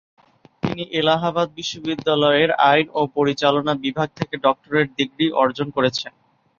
তিনি এলাহাবাদ বিশ্ববিদ্যালয়ের আইন ও পরিচালনা বিভাগ থেকে ডক্টরেট ডিগ্রি অর্জন করেছেন।